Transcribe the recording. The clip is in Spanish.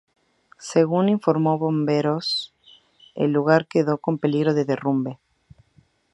Según informó bomberos, el lugar quedó con peligro de derrumbe.